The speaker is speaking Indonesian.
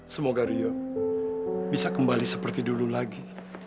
semoga rio bisa kembali seperti dulu lagi